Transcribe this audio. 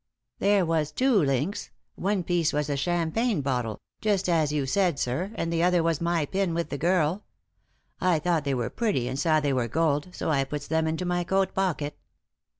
There was two links. One piece was a champagne bottle, just as you said, sir, and the other was my pin with the girl; I thought they were pretty and saw they were gold, so I puts them into my coat pocket."